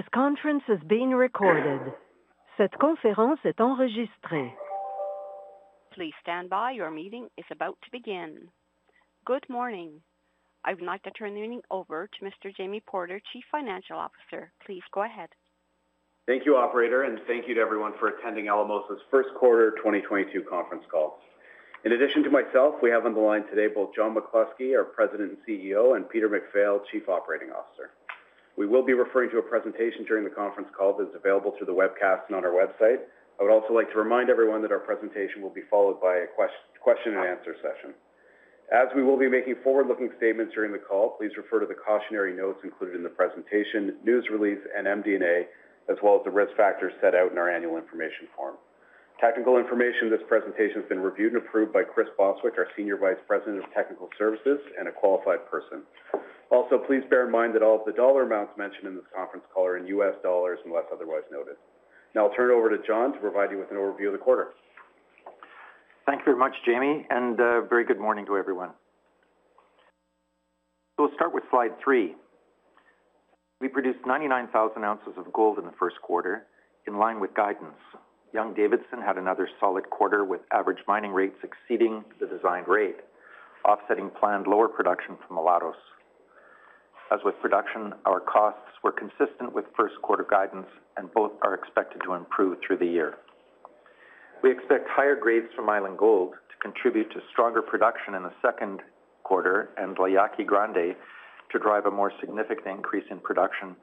This conference is being recorded. Cette conférence est enregistrée. Please stand by. Your meeting is about to begin. Good morning. I would like to turn the meeting over to Mr. Jamie Porter, Chief Financial Officer. Please go ahead. Thank you, operator, and thank you to everyone for attending Alamos' Q1 2022 conference call. In addition to myself, we have on the line today both John McCluskey, our President and CEO, and Peter MacPhail, Chief Operating Officer. We will be referring to a presentation during the conference call that's available through the webcast and on our website. I would also like to remind everyone that our presentation will be followed by a question and answer session. As we will be making forward-looking statements during the call, please refer to the cautionary notes included in the presentation, news release, and MD&A, as well as the risk factors set out in our annual information form. Technical information in this presentation has been reviewed and approved by Chris Bostwick, our Senior Vice President of Technical Services, and a qualified person. Also, please bear in mind that all of the dollar amounts mentioned in this conference call are in US dollars, unless otherwise noted. Now I'll turn it over to John to provide you with an overview of the quarter. Thank you very much, Jamie, and very good morning to everyone. We'll start with slide three. We produced 99,000 ounces of gold in the Q1, in line with guidance. Young-Davidson had another solid quarter with average mining rates exceeding the designed rate, offsetting planned lower production from Mulatos. As with production, our costs were consistent with Q1 guidance, and both are expected to improve through the year. We expect higher grades from Island Gold to contribute to stronger production in the Q2 and La Yaqui Grande to drive a more significant increase in production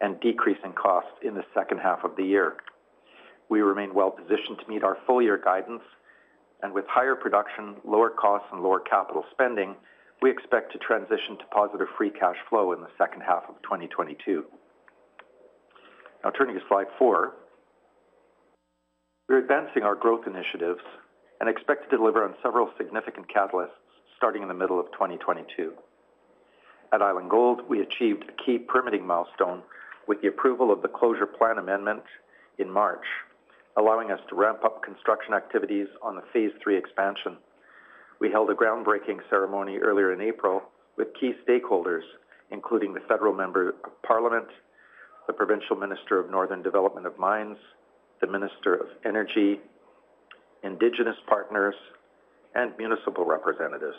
and decrease in cost in the H2 of the year. We remain well-positioned to meet our full year guidance, and with higher production, lower costs, and lower capital spending, we expect to transition to positive free cash flow in the H2 of 2022. Now turning to slide four. We're advancing our growth initiatives and expect to deliver on several significant catalysts starting in the middle of 2022. At Island Gold, we achieved a key permitting milestone with the approval of the Closure Plan Amendment in March, allowing us to ramp up construction activities on the phase III expansion. We held a groundbreaking ceremony earlier in April with key stakeholders, including the federal member of parliament, the provincial Minister of Northern Development of Mines, the Minister of Energy, indigenous partners, and municipal representatives.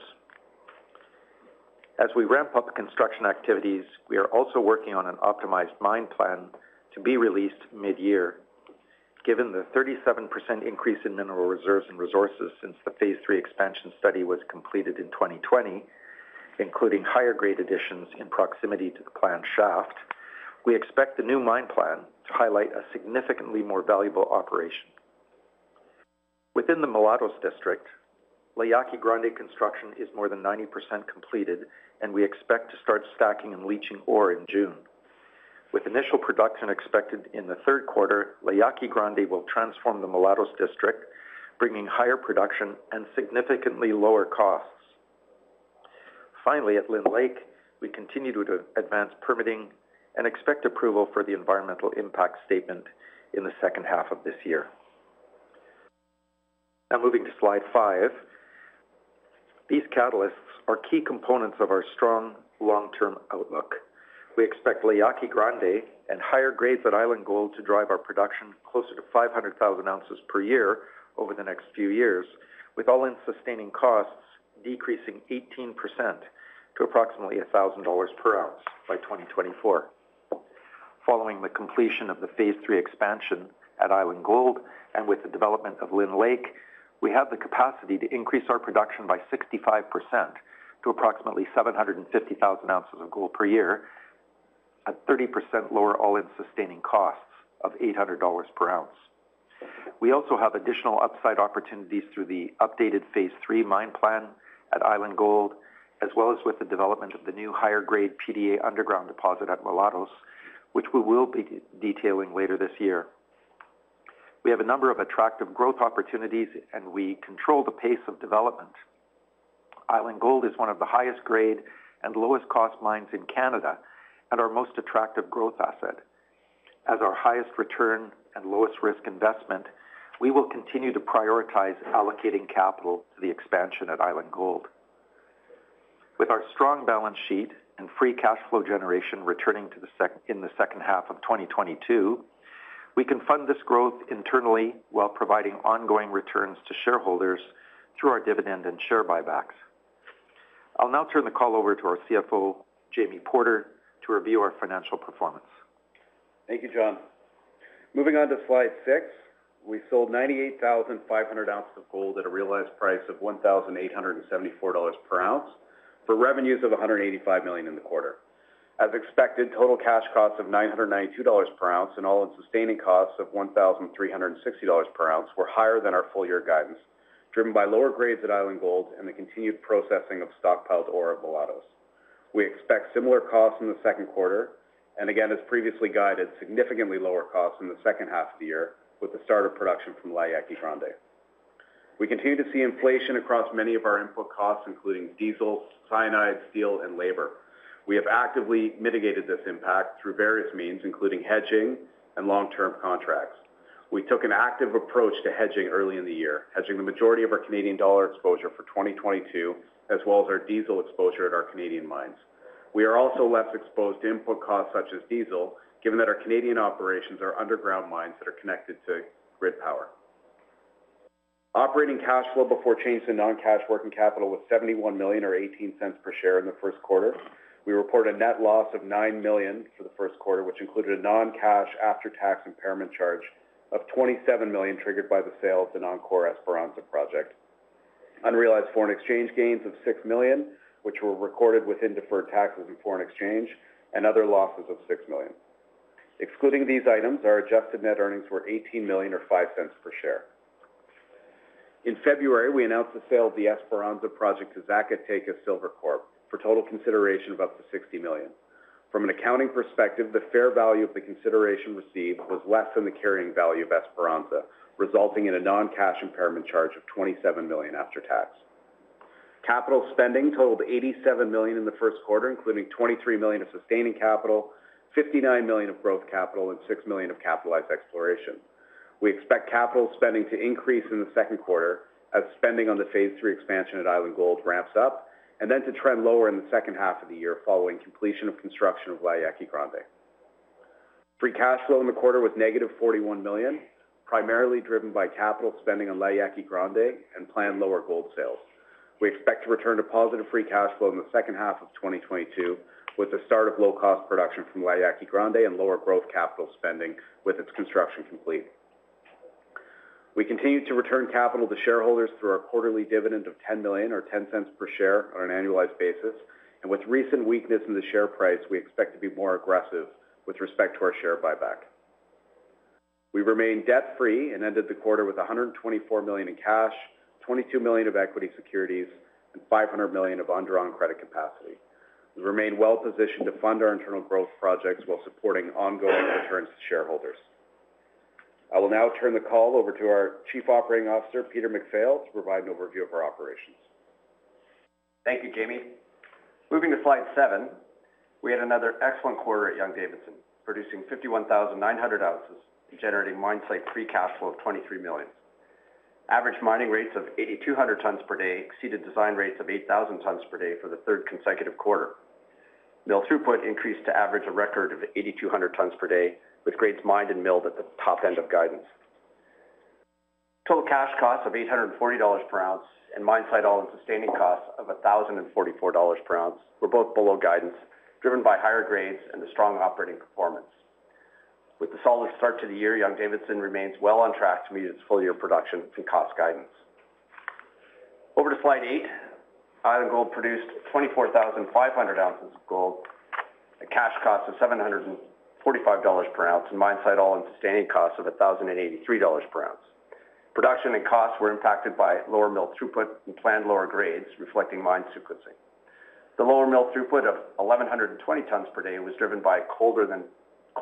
As we ramp up construction activities, we are also working on an optimized mine plan to be released midyear. Given the 37% increase in mineral reserves and resources since the phase III expansion study was completed in 2020, including higher grade additions in proximity to the planned shaft, we expect the new mine plan to highlight a significantly more valuable operation. Within the Mulatos district, La Yaqui Grande construction is more than 90% completed, and we expect to start stacking and leaching ore in June. With initial production expected in the Q3, La Yaqui Grande will transform the Mulatos district, bringing higher production and significantly lower costs. Finally, at Lynn Lake, we continue to advance permitting and expect approval for the environmental impact statement in the H2 of this year. Now moving to slide five. These catalysts are key components of our strong long-term outlook. We expect La Yaqui Grande and higher grades at Island Gold to drive our production closer to 500,000 ounces per year over the next few years, with all-in sustaining costs decreasing 18% to approximately $1,000 per ounce by 2024. Following the completion of the phase III expansion at Island Gold, and with the development of Lynn Lake, we have the capacity to increase our production by 65% to approximately 750,000 ounces of gold per year at 30% lower all-in sustaining costs of $800 per ounce. We also have additional upside opportunities through the updated phase III mine plan at Island Gold, as well as with the development of the new higher grade PDA underground deposit at Mulatos, which we will be detailing later this year. We have a number of attractive growth opportunities, and we control the pace of development. Island Gold is one of the highest grade and lowest cost mines in Canada and our most attractive growth asset. As our highest return and lowest risk investment, we will continue to prioritize allocating capital to the expansion at Island Gold. With our strong balance sheet and free cash flow generation returning in the H2 of 2022, we can fund this growth internally while providing ongoing returns to shareholders through our dividend and share buybacks. I'll now turn the call over to our CFO, Jamie Porter, to review our financial performance. Thank you, John. Moving on to slide six. We sold 98,500 ounces of gold at a realized price of $1,874 per ounce for revenues of $185 million in the quarter. As expected, total cash costs of $992 per ounce and all-in sustaining costs of $1,360 per ounce were higher than our full year guidance, driven by lower grades at Island Gold and the continued processing of stockpiled ore of Mulatos. We expect similar costs in the second Q2 and again, as previously guided, significantly lower costs in the H2 of the year with the start of production from La Yaqui Grande. We continue to see inflation across many of our input costs, including diesel, cyanide, steel, and labor. We have actively mitigated this impact through various means, including hedging and long-term contracts. We took an active approach to hedging early in the year, hedging the majority of our Canadian dollar exposure for 2022, as well as our diesel exposure at our Canadian mines. We are also less exposed to input costs such as diesel, given that our Canadian operations are underground mines that are connected to grid power. Operating cash flow before change to non-cash working capital was $71 million or $0.18 per share in the Q1. We reported a net loss of $9 million for the Q1, which included a non-cash after-tax impairment charge of $27 million, triggered by the sale of the non-core Esperanza project. Unrealized foreign exchange gains of $6 million, which were recorded within deferred taxes and foreign exchange, and other losses of $6 million. Excluding these items, our adjusted net earnings were $18 million or $0.05 per share. In February, we announced the sale of the Esperanza project to Zacatecas Silver Corp, for total consideration of up to $60 million. From an accounting perspective, the fair value of the consideration received was less than the carrying value of Esperanza, resulting in a non-cash impairment charge of $27 million after tax. Capital spending totaled $87 million in the Q1, including $23 million of sustaining capital, $59 million of growth capital, and $6 million of capitalized exploration. We expect capital spending to increase in the Q2 as spending on the phase three expansion at Island Gold ramps up, and then to trend lower in the H2 of the year following completion of construction of La Yaqui Grande. Free cash flow in the quarter was -$41 million, primarily driven by capital spending on La Yaqui Grande and planned lower gold sales. We expect to return to positive free cash flow in the H2 of 2022 with the start of low-cost production from La Yaqui Grande and lower growth capital spending with its construction complete. We continue to return capital to shareholders through our quarterly dividend of $10 million, or $0.10 per share on an annualized basis. With recent weakness in the share price, we expect to be more aggressive with respect to our share buyback. We remain debt-free and ended the quarter with $124 million in cash, $22 million of equity securities, and $500 million of undrawn credit capacity. We remain well positioned to fund our internal growth projects while supporting ongoing returns to shareholders. I will now turn the call over to our Chief Operating Officer, Peter MacPhail, to provide an overview of our operations. Thank you, Jamie. Moving to slide seven. We had another excellent quarter at Young-Davidson, producing 51,900 ounces and generating mine site free cash flow of $23 million. Average mining rates of 8,200 tons per day exceeded design rates of 8,000 tons per day for the third consecutive quarter. Mill throughput increased to average a record of 8,200 tons per day, with grades mined and milled at the top end of guidance. Total cash costs of $840 per ounce and mine site all-in sustaining costs of $1,044 per ounce were both below guidance, driven by higher grades and a strong operating performance. With the solid start to the year, Young-Davidson remains well on track to meet its full year production and cost guidance. Over to slide eight. Island Gold produced 24,500 ounces of gold at cash cost of $745 per ounce and mine site all-in sustaining costs of $1,083 per ounce. Production and costs were impacted by lower mill throughput and planned lower grades, reflecting mine sequencing. The lower mill throughput of 1,120 tons per day was driven by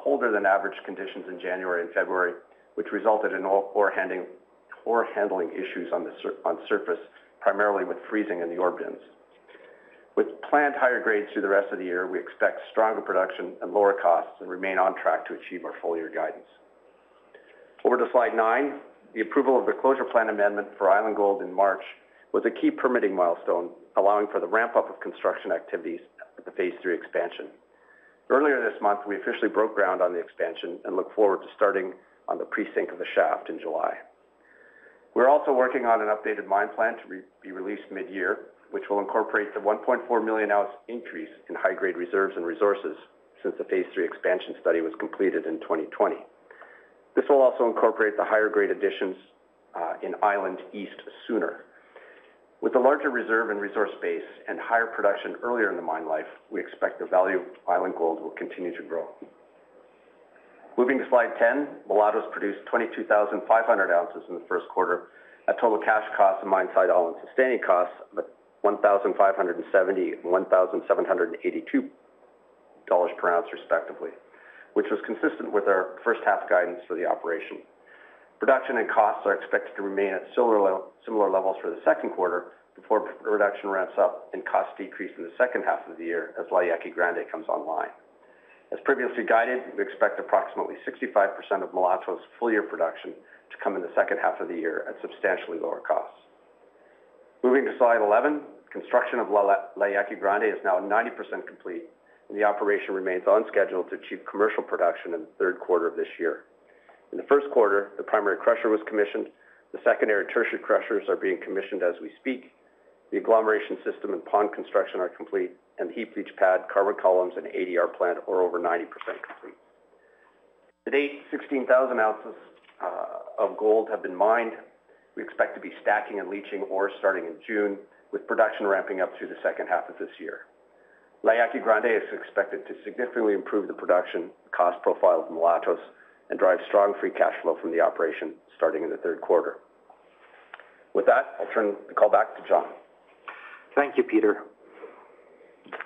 colder than average conditions in January and February, which resulted in ore handling issues on surface, primarily with freezing in the ore bins. With planned higher grades through the rest of the year, we expect stronger production and lower costs and remain on track to achieve our full year guidance. Over to slide nine. The approval of the Closure Plan Amendment for Island Gold in March was a key permitting milestone, allowing for the ramp up of construction activities at the Phase III expansion. Earlier this month, we officially broke ground on the expansion and look forward to starting on the presink of the shaft in July. We're also working on an updated mine plan to be released mid-year, which will incorporate the 1.4 million ounce increase in high grade reserves and resources since the Phase III expansion study was completed in 2020. This will also incorporate the higher grade additions in Island East sooner. With a larger reserve and resource base and higher production earlier in the mine life, we expect the value of Island Gold will continue to grow. Moving to slide 10. Mulatos produced 22,500 ounces in the first quarter at total cash cost and mine site all-in sustaining costs of $1,570 and $1,782 per ounce respectively, which was consistent with our H1 guidance for the operation. Production and costs are expected to remain at similar levels for the Q2 before production ramps up and costs decrease in the H2 of the year as La Yaqui Grande comes online. As previously guided, we expect approximately 65% of Mulatos' full year production to come in the H2 of the year at substantially lower costs. Moving to slide 11. Construction of La Yaqui Grande is now 90% complete, and the operation remains on schedule to achieve commercial production in the Q3 of this year. In the Q1, the primary crusher was commissioned. The secondary tertiary crushers are being commissioned as we speak. The agglomeration system and pond construction are complete, and the heap leach pad, carbon columns, and ADR plant are over 90% complete. To date, 16,000 ounces of gold have been mined. We expect to be stacking and leaching ore starting in June, with production ramping up through the H2 of this year. La Yaqui Grande is expected to significantly improve the production cost profile of Mulatos and drive strong free cash flow from the operation starting in the Q3. With that, I'll turn the call back to John. Thank you, Peter.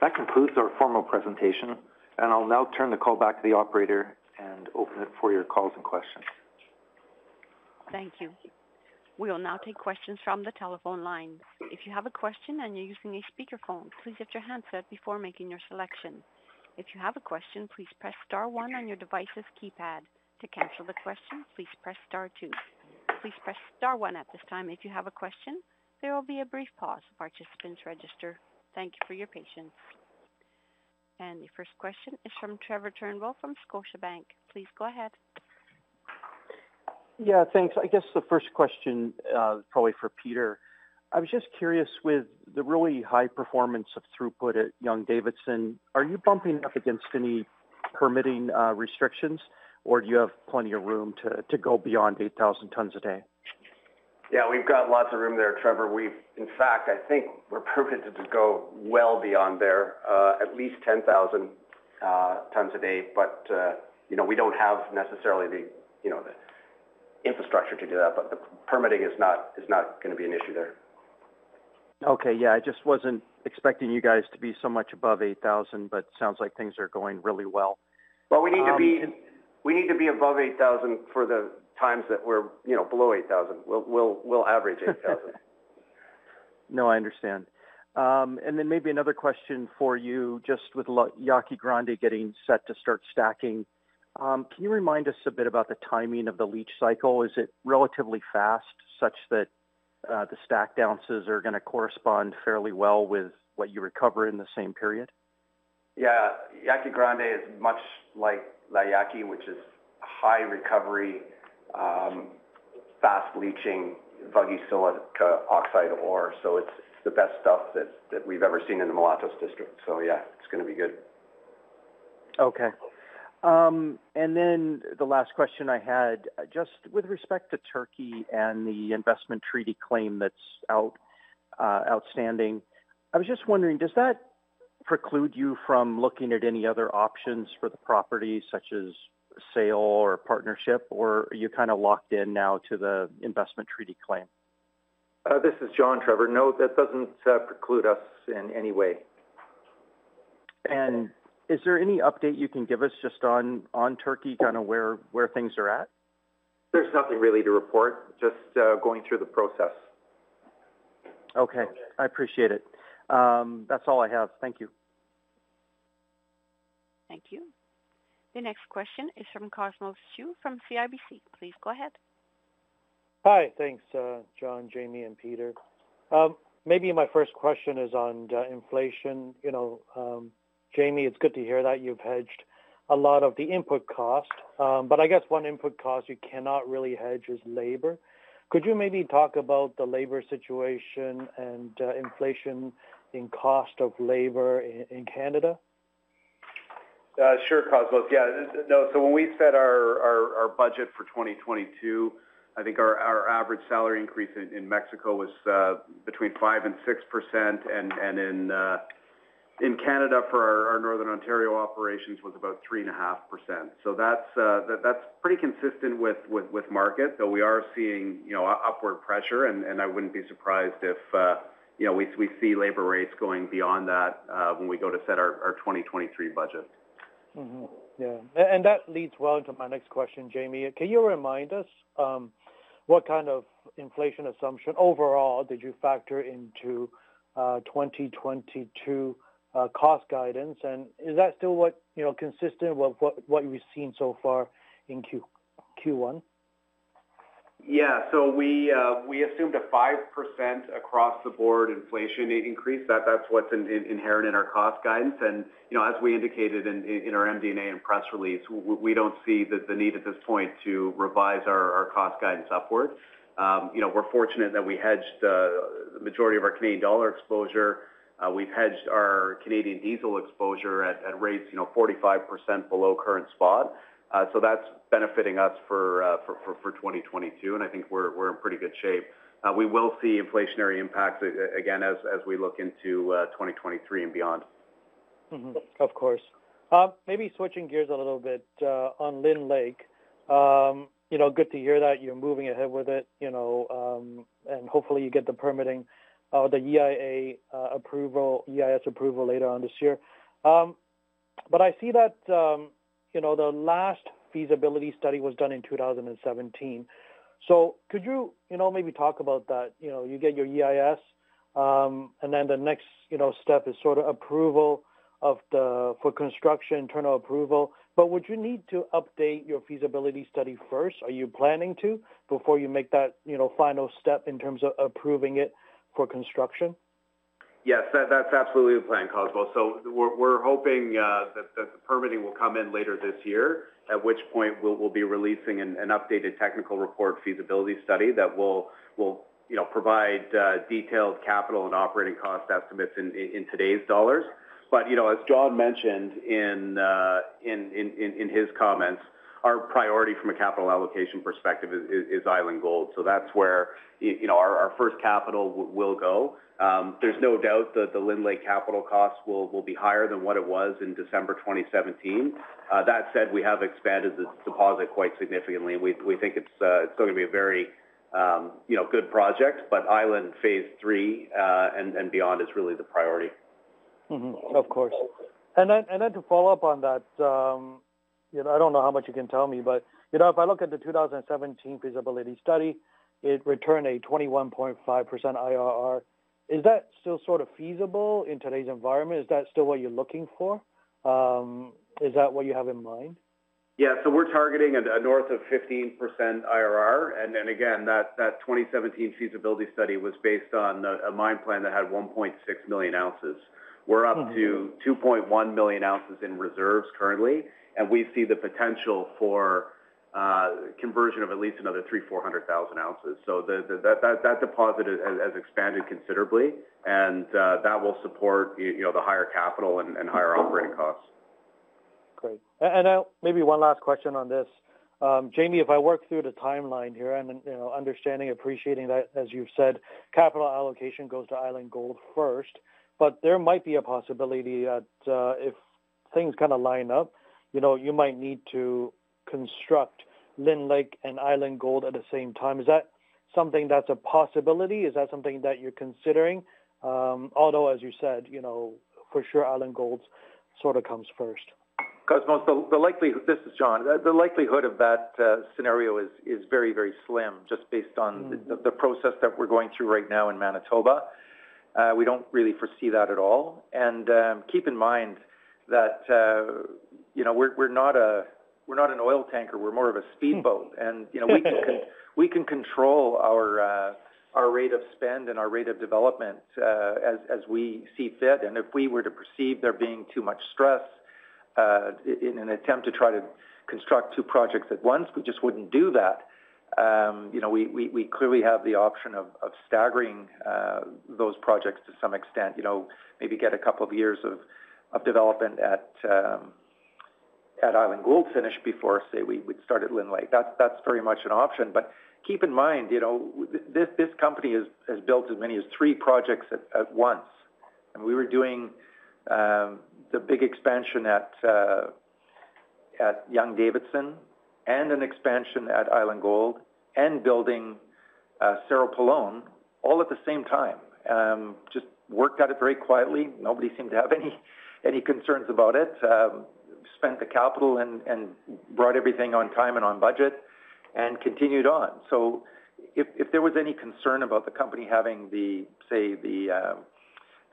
That concludes our formal presentation, and I'll now turn the call back to the operator and open it for your calls and questions. Thank you. We will now take questions from the telephone line. If you have a question and you're using a speaker phone, please mute your handset before making your selection. If you have a question, please press star one on your device's keypad. To cancel the question, please press star two. Please press star one at this time if you have a question. There will be a brief pause while participants register. Thank you for your patience. The first question is from Trevor Turnbull from Scotiabank. Please go ahead. Yeah, thanks. I guess the first question, probably for Peter. I was just curious, with the really high performance of throughput at Young-Davidson, are you bumping up against any permitting restrictions, or do you have plenty of room to go beyond 8,000 tons a day? Yeah. We've got lots of room there, Trevor. In fact, I think we're permitted to go well beyond there, at least 10,000 tons a day. You know, we don't have necessarily the infrastructure to do that, but the permitting is not gonna be an issue there. Okay. Yeah. I just wasn't expecting you guys to be so much above 8,000, but sounds like things are going really well. Well, we need to be above $8,000 for the times that we're, you know, below $8,000. We'll average $8,000. No, I understand. Maybe another question for you, just with La Yaqui Grande getting set to start stacking. Can you remind us a bit about the timing of the leach cycle? Is it relatively fast, such that the stack ounces are gonna correspond fairly well with what you recover in the same period? Yeah. La Yaqui Grande is much like La Yaqui, which is high recovery, fast leaching, friable silica oxide ore. It's the best stuff that we've ever seen in the Mulatos District. Yeah, it's gonna be good. Okay. The last question I had, just with respect to Turkey and the investment treaty claim that's outstanding, I was just wondering, does that preclude you from looking at any other options for the property, such as sale or partnership, or are you kinda locked in now to the investment treaty claim? This is John, Trevor. No, that doesn't preclude us in any way. Is there any update you can give us just on Turkey, kinda where things are at? There's nothing really to report, just going through the process. Okay. I appreciate it. That's all I have. Thank you. Thank you. The next question is from Cosmos Chiu from CIBC. Please go ahead. Hi. Thanks, John, Jamie, and Peter. Maybe my first question is on deflation. You know, Jamie, it's good to hear that you've hedged a lot of the input cost. I guess one input cost you cannot really hedge is labor. Could you maybe talk about the labor situation and inflation in cost of labor in Canada? Sure, Cosmos. Yeah. No, when we set our budget for 2022, I think our average salary increase in Mexico was between 5%-6%. And in Canada, for our Northern Ontario operations, was about 3.5%. That's pretty consistent with market, though we are seeing, you know, upward pressure. And I wouldn't be surprised if, you know, we see labor rates going beyond that when we go to set our 2023 budget. Mm-hmm. Yeah. That leads well to my next question, Jamie. Can you remind us what kind of inflation assumption overall did you factor into 2022 cost guidance? Is that still what, you know, consistent with what we've seen so far in Q1? Yeah. We assumed a 5% across the board inflation increase. That's what's inherent in our cost guidance. You know, as we indicated in our MD&A and press release, we don't see the need at this point to revise our cost guidance upwards. You know, we're fortunate that we hedged the majority of our Canadian dollar exposure. We've hedged our Canadian diesel exposure at rates 45% below current spot. That's benefiting us for 2022, and I think we're in pretty good shape. We will see inflationary impacts again as we look into 2023 and beyond. Of course. Maybe switching gears a little bit, on Lynn Lake. You know, good to hear that you're moving ahead with it, you know, and hopefully you get the permitting, the EIA approval, EIS approval later on this year. I see that, you know, the last feasibility study was done in 2017. Could you know, maybe talk about that? You know, you get your EIS, and then the next, you know, step is sort of approval for construction, internal approval. But would you need to update your feasibility study first? Are you planning to before you make that, you know, final step in terms of approving it for construction? Yes. That's absolutely the plan, Cosmos. We're hoping that the permitting will come in later this year, at which point we'll be releasing an updated technical report feasibility study that will, you know, provide detailed capital and operating cost estimates in today's dollars. As John mentioned in his comments, our priority from a capital allocation perspective is Island Gold. That's where you know, our first capital will go. There's no doubt that the Lynn Lake capital cost will be higher than what it was in December 2017. That said, we have expanded the deposit quite significantly, and we think it's still gonna be a very you know, good project. Island Phase Three and beyond is really the priority. Mm-hmm, of course. To follow up on that, you know, I don't know how much you can tell me, but, you know, if I look at the 2017 feasibility study, it returned a 21.5% IRR. Is that still sort of feasible in today's environment? Is that still what you're looking for? Is that what you have in mind? Yeah. We're targeting a north of 15% IRR. Again, that 2017 feasibility study was based on a mine plan that had 1.6 million ounces. We're up to 2.1 million ounces in reserves currently, and we see the potential for conversion of at least another 300,000-400,000 ounces. That deposit has expanded considerably, and that will support, you know, the higher capital and higher operating costs. Great. Maybe one last question on this. Jamie, if I work through the timeline here and, you know, understanding, appreciating that, as you've said, capital allocation goes to Island Gold first, but there might be a possibility that, if things kind of line up, you know, you might need to construct Lynn Lake and Island Gold at the same time. Is that something that's a possibility? Is that something that you're considering? Although as you said, you know, for sure Island Gold sort of comes first. Cosmo, this is John. The likelihood of that scenario is very slim, just based on the process that we're going through right now in Manitoba. We don't really foresee that at all. Keep in mind that, you know, we're not an oil tanker. We're more of a speedboat. You know, we can control our rate of spend and our rate of development as we see fit. If we were to perceive there being too much stress in an attempt to try to construct two projects at once, we just wouldn't do that. You know, we clearly have the option of staggering those projects to some extent. You know, maybe get a couple of years of development at Island Gold finished before, say, we start at Lynn Lake. That's very much an option. Keep in mind, you know, this company has built as many as three projects at once. We were doing the big expansion at Young-Davidson and an expansion at Island Gold and building Cerro Pelon all at the same time. Just worked at it very quietly. Nobody seemed to have any concerns about it. Spent the capital and brought everything on time and on budget and continued on. If there was any concern about the company having the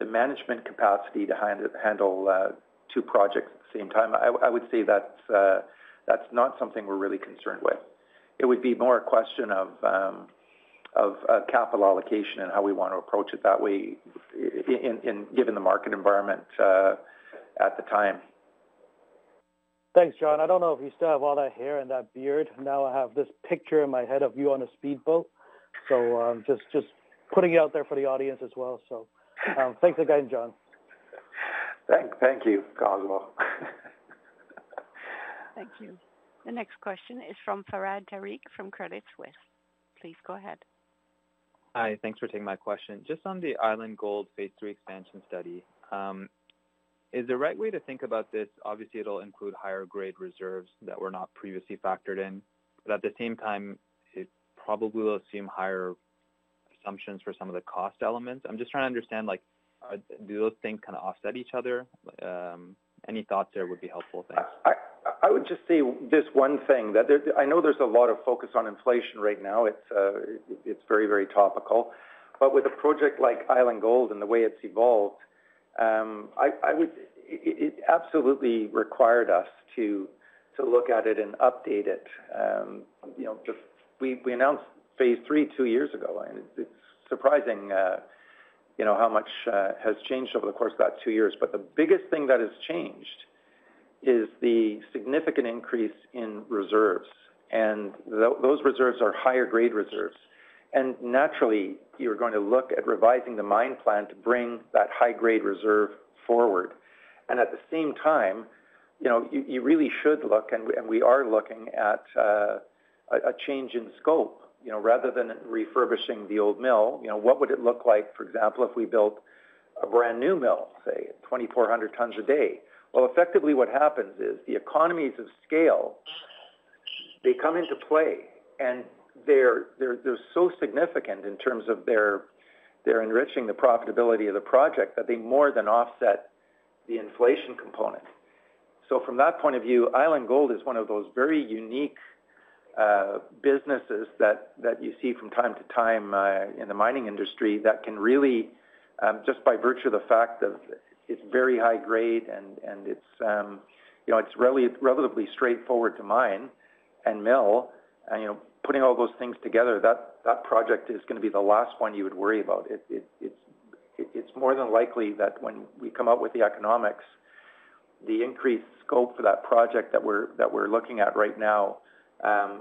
management capacity to handle two projects at the same time, I would say that's not something we're really concerned with. It would be more a question of capital allocation and how we want to approach it that way in given the market environment at the time. Thanks, John. I don't know if you still have all that hair and that beard. Now I have this picture in my head of you on a speedboat. Just putting it out there for the audience as well. Thanks again, John. Thank you, Cosmo. Thank you. The next question is from Fahad Tariq from Credit Suisse. Please go ahead. Hi. Thanks for taking my question. Just on the Island Gold Phase III expansion study, is the right way to think about this, obviously, it'll include higher grade reserves that were not previously factored in, but at the same time, it probably will assume higher assumptions for some of the cost elements. I'm just trying to understand, like, do those things kind of offset each other? Any thoughts there would be helpful. Thanks. I would just say this one thing, that there's I know there's a lot of focus on inflation right now. It's it's very, very topical. With a project like Island Gold and the way it's evolved, I would. It absolutely required us to look at it and update it. You know, just we announced Phase Three two years ago, and it's surprising, you know, how much has changed over the course of that two years. The biggest thing that has changed is the significant increase in reserves, and those reserves are higher grade reserves. Naturally, you're going to look at revising the mine plan to bring that high grade reserve forward. At the same time, you know, you really should look, and we are looking at a change in scope. You know, rather than refurbishing the old mill, you know, what would it look like, for example, if we built a brand new mill, say, at 2,400 tons a day? Well, effectively what happens is the economies of scale, they come into play, and they're so significant in terms of their enriching the profitability of the project that they more than offset the inflation component. From that point of view, Island Gold is one of those very unique businesses that you see from time to time in the mining industry that can really just by virtue of the fact of it's very high grade and it's relatively straightforward to mine and mill. You know, putting all those things together, that project is gonna be the last one you would worry about. It's more than likely that when we come out with the economics, the increased scope for that project that we're looking at right now,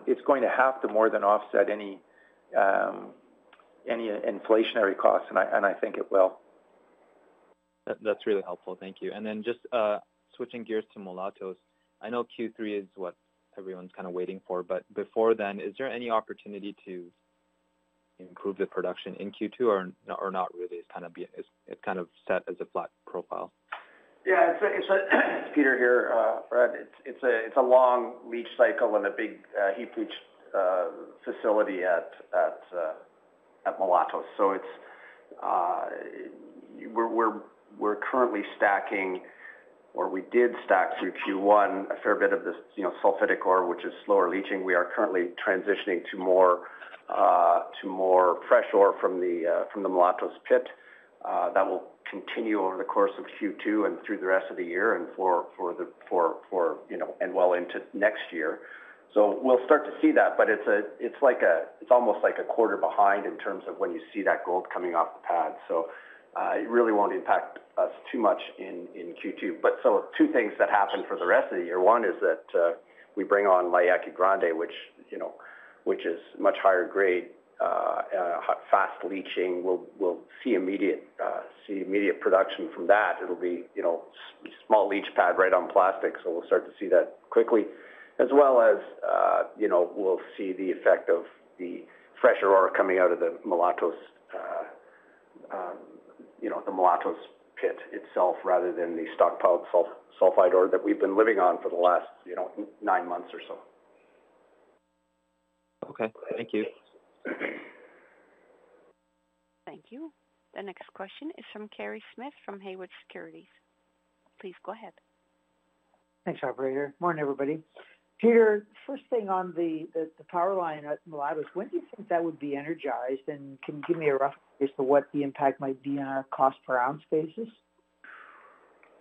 it's going to have to more than offset any inflationary costs, and I think it will. That's really helpful. Thank you. Then just switching gears to Mulatos. I know Q3 is what everyone's kind of waiting for, but before then, is there any opportunity to improve the production in Q2 or not really? It's kind of set as a flat profile. Yeah. It's Peter here, Fahad. It's a long leach cycle and a big heap leach facility at Mulatos. We're currently stacking, or we did stack through Q1, a fair bit of this, you know, sulfidic ore, which is slower leaching. We are currently transitioning to more fresh ore from the Mulatos pit that will continue over the course of Q2 and through the rest of the year and for the, you know, and well into next year. We'll start to see that, but it's almost like a quarter behind in terms of when you see that gold coming off the pad. It really won't impact us too much in Q2. Two things that happen for the rest of the year. One is that we bring on La Yaqui Grande, which, you know, which is much higher grade, fast leaching. We'll see immediate production from that. It'll be, you know, small leach pad right on plastic, so we'll start to see that quickly. As well as, you know, we'll see the effect of the fresher ore coming out of the Mulatos, you know, the Mulatos pit itself rather than the stockpiled sulfide ore that we've been living on for the last, you know, nine months or so. Okay, thank you. Thank you. The next question is from Kerry Smith from Haywood Securities. Please go ahead. Thanks, operator. Morning, everybody. Peter, first thing on the power line at Mulatos, when do you think that would be energized, and can you give me a rough guess as to what the impact might be on a cost per ounce basis?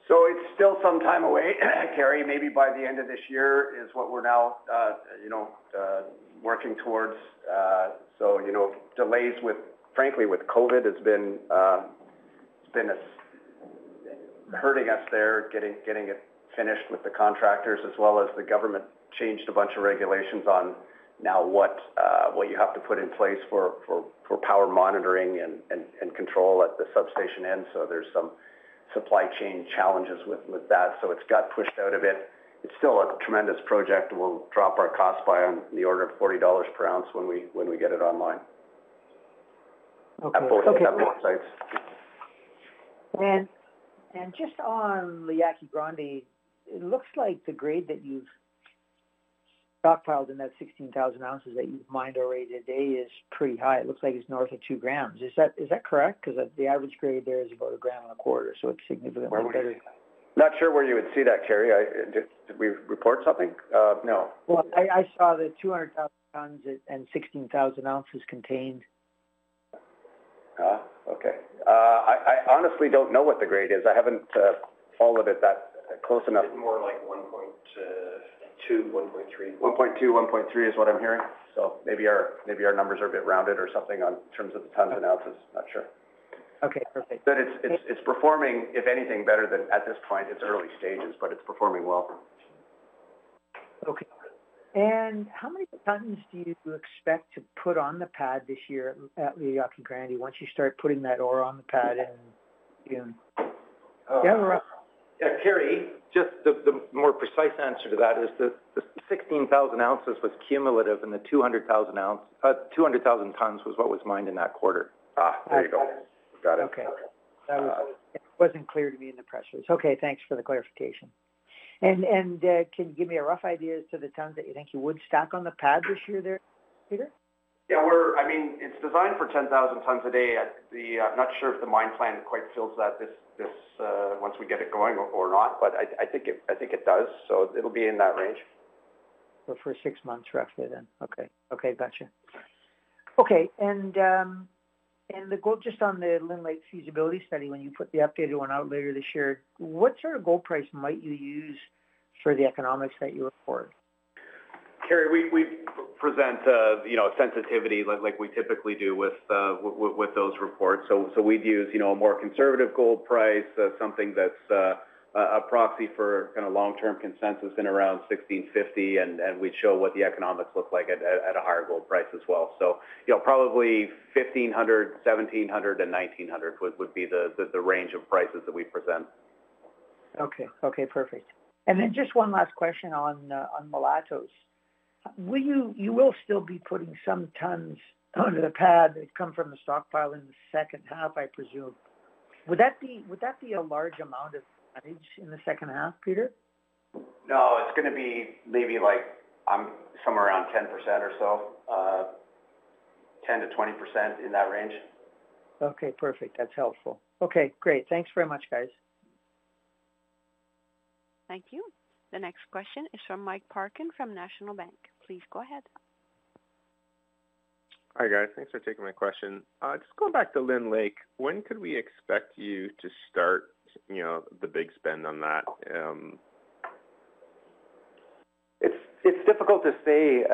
It's still some time away, Kerry. Maybe by the end of this year is what we're now, you know, working towards. You know, delays with, frankly, with COVID has been, it's been hurting us there, getting it finished with the contractors as well as the government changed a bunch of regulations on now what you have to put in place for power monitoring and control at the substation end. There's some supply chain challenges with that, so it's got pushed out a bit. It's still a tremendous project, and we'll drop our cost by on the order of $40 per ounce when we get it online. Okay. At both sites. Just on La Yaqui Grande, it looks like the grade that you've stockpiled in that 16,000 ounces that you've mined already today is pretty high. It looks like it's north of two grams. Is that correct? Because the average grade there is about one gram and a quarter, so it's significantly better. Not sure where you would see that, Kerry. Did we report something? No. Well, I saw the 200,000 tons and 16,000 ounces contained. I honestly don't know what the grade is. I haven't followed it that close enough. It's more like 1.2, 1.3. 1.2, 1.3 is what I'm hearing. Maybe our numbers are a bit rounded or something in terms of the tons and ounces. Not sure. Okay, perfect. It's performing, if anything, better than at this point. It's early stages, but it's performing well. Okay. How many tons do you expect to put on the pad this year at La Yaqui Grande once you start putting that ore on the pad and, you know? Do you have a rough. Yeah, Kerry, just the more precise answer to that is the 16,000 ounces was cumulative, and the 200,000 tons was what was mined in that quarter. There you go. Got it. Okay. It wasn't clear to me in the press release. Okay, thanks for the clarification. Can you give me a rough idea as to the tons that you think you would stock on the pad this year there, Peter? Yeah, I mean, it's designed for 10,000 tons a day at the. I'm not sure if the mine plan quite fills that this once we get it going or not, but I think it does. It'll be in that range. For six months, roughly then. Okay. Okay, gotcha. Okay, and the gold just on the Lynn Lake feasibility study, when you put the updated one out later this year, what sort of gold price might you use for the economics that you report? Kerry, we present, you know, sensitivity like we typically do with those reports. We'd use, you know, a more conservative gold price, something that's a proxy for kinda long-term consensus in around $1,650, and we'd show what the economics look like at a higher gold price as well. You know, probably $1,500, $1,700, and $1,900 would be the range of prices that we present. Okay. Okay, perfect. Just one last question on Mulatos. You will still be putting some tons under the pad that come from the stockpile in the second half, I presume. Would that be a large amount of tonnage in the second half, Peter? No, it's gonna be maybe like, somewhere around 10% or so, 10%-20% in that range. Okay, perfect. That's helpful. Okay, great. Thanks very much, guys. Thank you. The next question is from Mike Parkin from National Bank. Please go ahead. Hi, guys. Thanks for taking my question. Just going back to Lynn Lake, when could we expect you to start, you know, the big spend on that? It's difficult to say,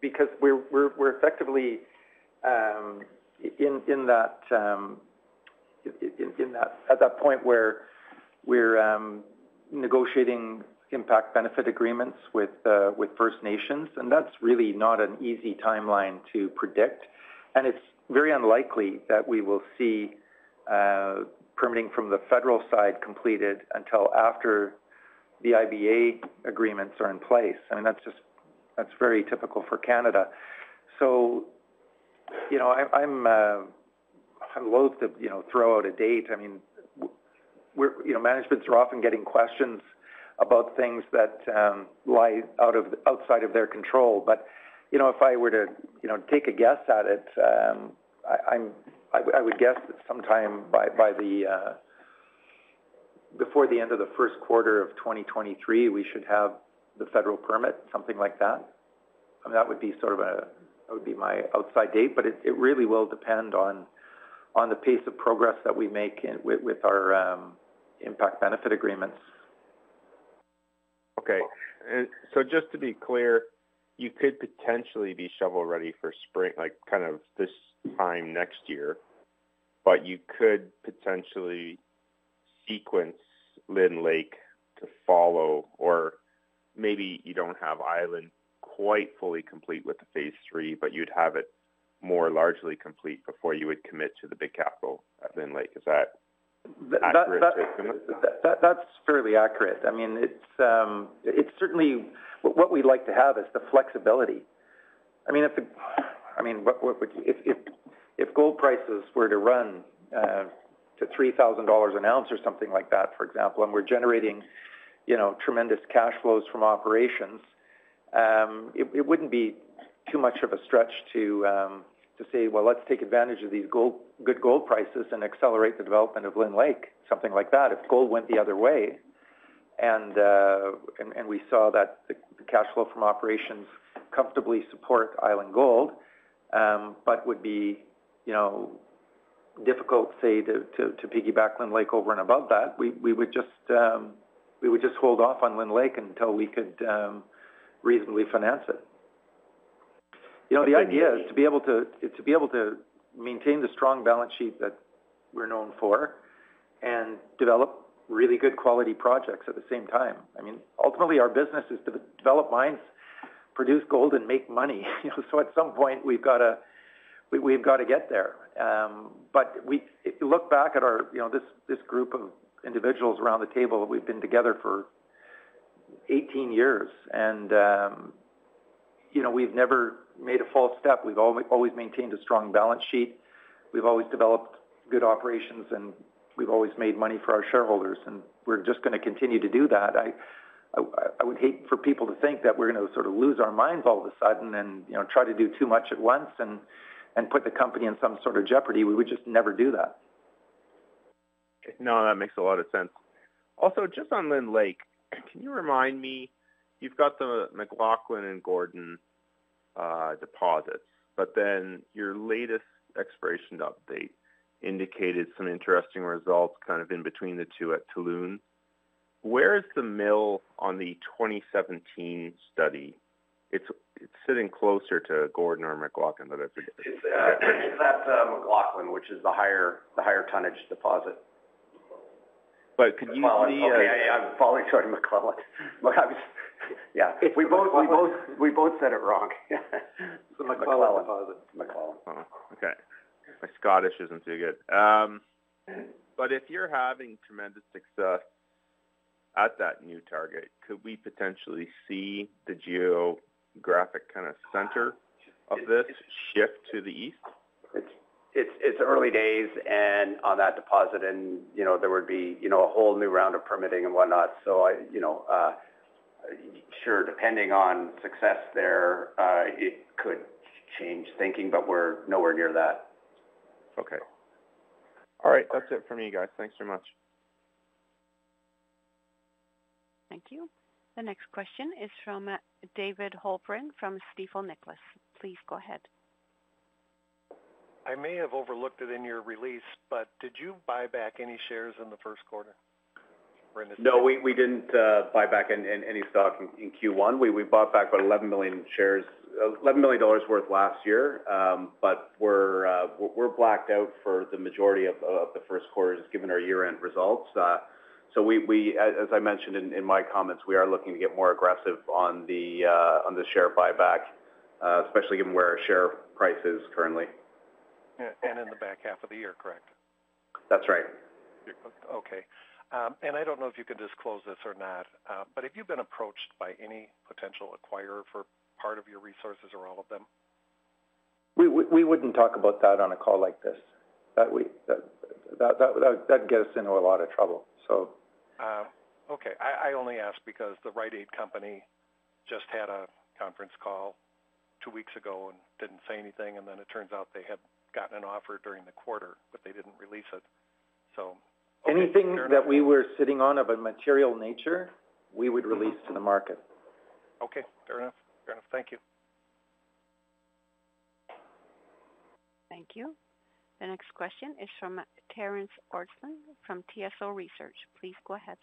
because we're effectively in that at that point where we're negotiating impact benefit agreements with First Nations, and that's really not an easy timeline to predict. It's very unlikely that we will see permitting from the federal side completed until after the IBA agreements are in place. I mean, that's just very typical for Canada. You know, I'm loathe to, you know, throw out a date. I mean. You know, managements are often getting questions about things that lie outside of their control. You know, if I were to take a guess at it, I would guess that sometime before the end of the Q1 of 2023, we should have the federal permit, something like that. I mean, that would be sort of an outside date, but it really will depend on the pace of progress that we make with our impact benefit agreements. Okay. Just to be clear, you could potentially be shovel-ready for spring, like, kind of this time next year. You could potentially sequence Lynn Lake to follow, or maybe you don't have Island quite fully complete with the Phase III, but you'd have it more largely complete before you would commit to the big capital at Lynn Lake. Is that accurate statement? That's fairly accurate. I mean, it's certainly what we'd like to have is the flexibility. I mean, if gold prices were to run to $3,000 an ounce or something like that, for example, and we're generating, you know, tremendous cash flows from operations, it wouldn't be too much of a stretch to say, Well, let's take advantage of these good gold prices and accelerate the development of Lynn Lake, something like that. If gold went the other way, and we saw that the cash flow from operations comfortably support Island Gold, but would be, you know, difficult, say, to piggyback Lynn Lake over and above that, we would just hold off on Lynn Lake until we could reasonably finance it. You know, the idea is to be able to maintain the strong balance sheet that we're known for and develop really good quality projects at the same time. I mean, ultimately, our business is to develop mines, produce gold, and make money. You know, at some point, we've gotta get there. If you look back at our, you know, this group of individuals around the table, we've been together for 18 years, and, you know, we've never made a false step. We've always maintained a strong balance sheet. We've always developed good operations, and we've always made money for our shareholders, and we're just gonna continue to do that. I would hate for people to think that we're gonna sort of lose our minds all of a sudden and, you know, try to do too much at once and put the company in some sort of jeopardy. We would just never do that. No, that makes a lot of sense. Also, just on Lynn Lake, can you remind me, you've got the MacLellan and Gordon deposits, but then your latest exploration update indicated some interesting results kind of in between the two at Tulune. Where is the mill on the 2017 study? It's sitting closer to Gordon or MacLellan that I forget. It's at MacLellan, which is the higher tonnage deposit. Could you see MacLellan. Okay, yeah, I'm falling short of MacLellan. MacLellan. Yeah. We both said it wrong. It's the MacLellan Deposit. MacLellan. MacLellan. Okay. My Spanish isn't too good. If you're having tremendous success at that new target, could we potentially see the geographic kind of center of this shift to the east? It's early days, and on that deposit, and, you know, there would be, you know, a whole new round of permitting and whatnot. I, you know, sure, depending on success there, it could change thinking, but we're nowhere near that. Okay. All right. That's it for me, guys. Thanks very much. Thank you. The next question is from David Halperin from Stifel GMP. Please go ahead. I may have overlooked it in your release, but did you buy back any shares in the Q1 or in this year? No, we didn't buy back any stock in Q1. We bought back about 11 million shares, $11 million worth last year. We're blacked out for the majority of the Q1 given our year-end results. As I mentioned in my comments, we are looking to get more aggressive on the share buyback, especially given where our share price is currently. In the back half of the year, correct? That's right. I don't know if you can disclose this or not, but have you been approached by any potential acquirer for part of your resources or all of them? We wouldn't talk about that on a call like this. That'd get us into a lot of trouble. Okay. I only ask because the Rite Aid company just had a conference call two weeks ago and didn't say anything, and then it turns out they had gotten an offer during the quarter, but they didn't release it. Fair enough. Anything that we were sitting on of a material nature, we would release to the market. Okay. Fair enough. Thank you. Thank you. The next question is from Terence Ortslan from TSO & Associates. Please go ahead.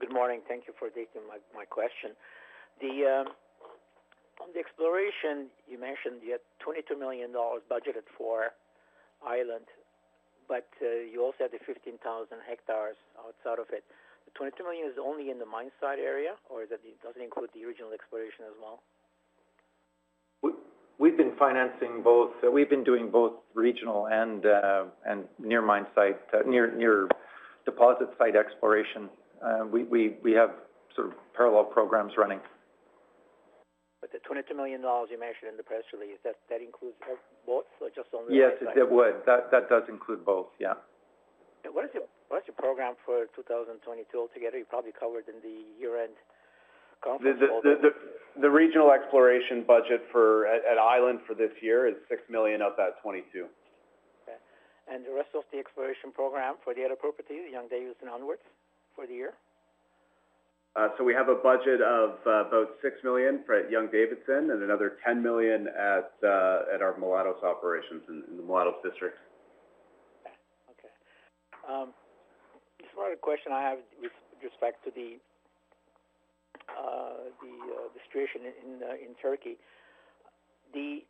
Good morning. Thank you for taking my question. Then, on the exploration, you mentioned you had $22 million budgeted for Island, but you also had the 15,000 hectares outside of it. The $22 million is only in the mine site area, or does it include the original exploration as well? We've been financing both. We've been doing both regional and near mine site, near deposit site exploration. We have sort of parallel programs running. The $22 million you mentioned in the press release, that includes both or just on the? Yes, it would. That does include both. Yeah. What is your program for 2022 altogether? You probably covered in the year-end conference call, but The regional exploration budget for at Island for this year is $6 million of that 22. Okay. The rest of the exploration program for the other properties, Young-Davidson onwards for the year? We have a budget of about $6 million for Young-Davidson and another $10 million at our Mulatos operations in the Mulatos District. Just one other question I have with respect to the situation in Turkey. There's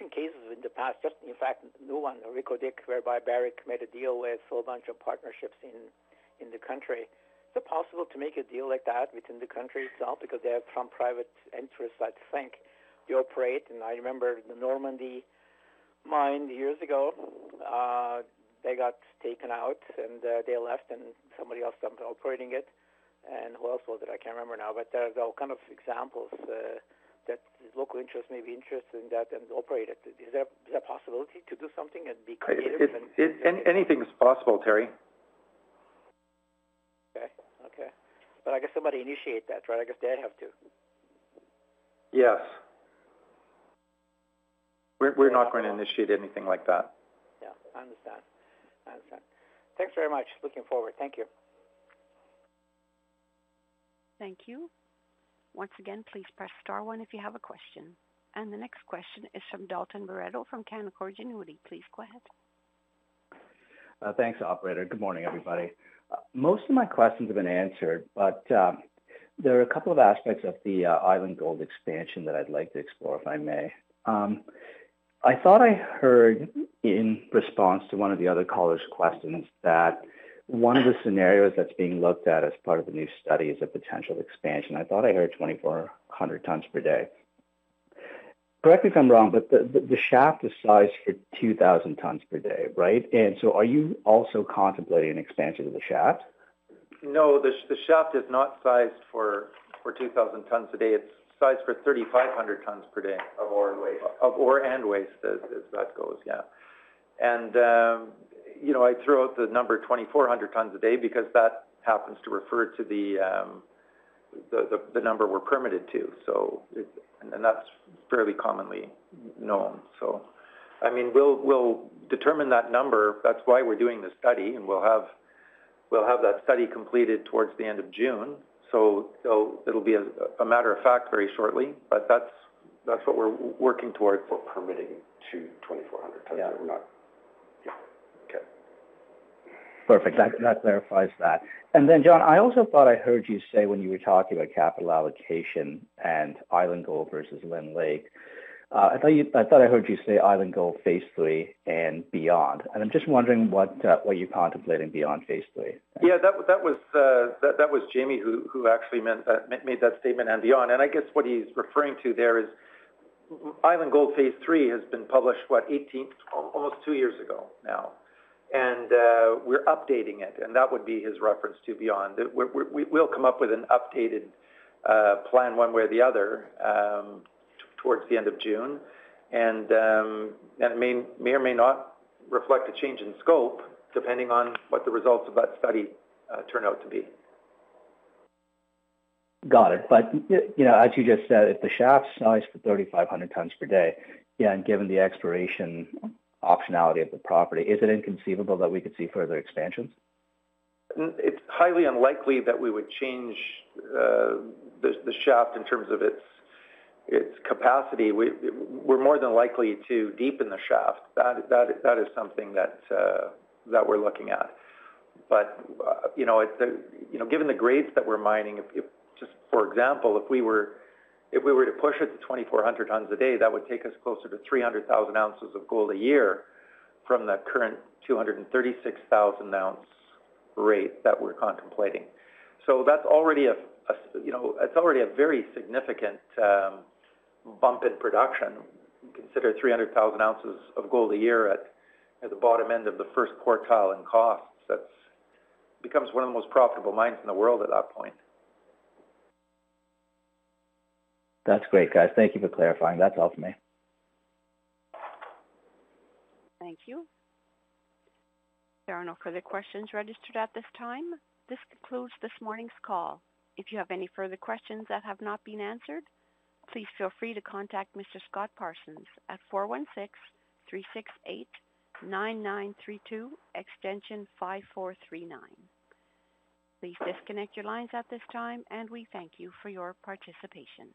been cases in the past, just in fact, a new one, Reko Diq, whereby Barrick made a deal with a whole bunch of partnerships in the country. Is it possible to make a deal like that within the country itself? Because they have some private interests, I think, to operate. I remember the Normandy mine, years ago, they got taken out and they left and somebody else came to operate it. Who else was it? I can't remember now, but they're all kind of examples that local interest may be interested in that and operate it. Is there a possibility to do something and be creative and Anything is possible, Terry. Okay. I guess somebody initiate that, right? I guess they have to. Yes. We're not going to initiate anything like that. Yeah, I understand. Thanks very much. Looking forward. Thank you. Thank you. Once again, please press star one if you have a question. The next question is from Dalton Baretto from Canaccord Genuity. Please go ahead. Thanks, operator. Good morning, everybody. Most of my questions have been answered, but there are a couple of aspects of the Island Gold expansion that I'd like to explore, if I may. I thought I heard in response to one of the other callers' questions that one of the scenarios that's being looked at as part of the new study is a potential expansion. I thought I heard 2,400 tons per day. Correct me if I'm wrong, but the shaft is sized for 2,000 tons per day, right? Are you also contemplating an expansion of the shaft? No, the shaft is not sized for 2,000 tons a day. It's sized for 3,500 tons per day. Of ore and waste. Of ore and waste as that goes, yeah. You know, I threw out the number 2,400 tons a day because that happens to refer to the number we're permitted to. That's fairly commonly known. I mean, we'll determine that number. That's why we're doing this study, and we'll have that study completed towards the end of June. It'll be a matter of fact very shortly, but that's what we're working towards. For permitting to 2,400 tons. Yeah. Yeah. Okay. Perfect. That clarifies that. Then, John, I also thought I heard you say when you were talking about capital allocation and Island Gold versus Lynn Lake, I thought I heard you say Island Gold Phase III and beyond. I'm just wondering what you're contemplating beyond Phase III. Yeah, that was Jamie who actually made that statement and beyond. I guess what he's referring to there is Island Gold phase III has been published almost two years ago now. We're updating it, and that would be his reference to beyond. We'll come up with an updated plan one way or the other towards the end of June. It may or may not reflect a change in scope depending on what the results of that study turn out to be. Got it. You know, as you just said, if the shaft's sized for 3,500 tons per day, yeah, and given the exploration optionality of the property, is it inconceivable that we could see further expansions? It's highly unlikely that we would change the shaft in terms of its capacity. We're more than likely to deepen the shaft. That is something that we're looking at. You know, it's you know given the grades that we're mining. Just for example, if we were to push it to 2,400 tons a day, that would take us closer to 300,000 ounces of gold a year from the current 236,000 ounce rate that we're contemplating. That's already you know it's already a very significant bump in production. Consider 300,000 ounces of gold a year at the bottom end of the first quartile in costs, that becomes one of the most profitable mines in the world at that point. That's great, guys. Thank you for clarifying. That's all for me. Thank you. There are no further questions registered at this time. This concludes this morning's call. If you have any further questions that have not been answered, please feel free to contact Mr. Scott Parsons at 416-368-9932, extension 5439. Please disconnect your lines at this time, and we thank you for your participation.